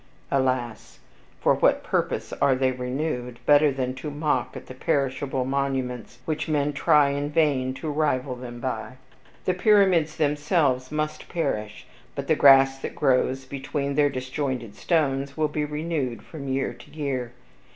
(Alas! for what purpose are they renewed, better than to mock at the perishable monuments which men try in vain to rival them by.) The pyramids themselves must perish, but the grass that grows between their disjointed stones will be renewed from year to year.